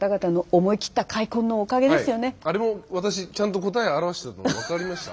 あれも私ちゃんと答え表してたの分かりました？